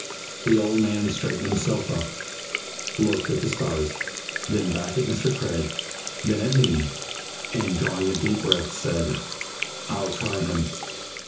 The old man straightened himself up, looked up at the stars, then back at Mr. Craig, then at me, and drawing a deep breath said: "I'll try Him."